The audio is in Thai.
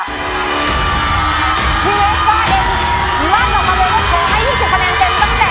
ที่เวซป่าไอนส์ร่างดอกมาเลย